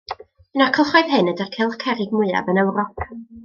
Un o'r cylchoedd hyn ydy'r cylch cerrig mwyaf yn Ewrop.